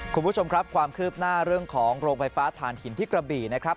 คุณผู้ชมครับความคืบหน้าเรื่องของโรงไฟฟ้าฐานหินที่กระบี่นะครับ